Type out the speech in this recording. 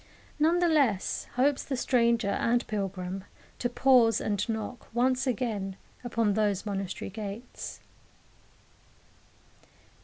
None the less hopes the stranger and pilgrim to pause and knock once again upon those monastery gates.